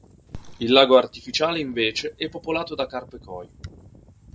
Il lago artificiale è invece popolato da carpe koi.